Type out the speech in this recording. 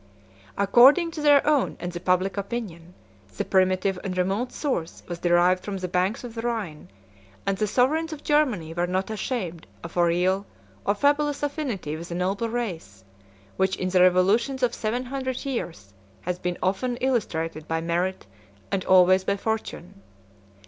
According to their own and the public opinion, the primitive and remote source was derived from the banks of the Rhine; 99 and the sovereigns of Germany were not ashamed of a real or fabulous affinity with a noble race, which in the revolutions of seven hundred years has been often illustrated by merit and always by fortune.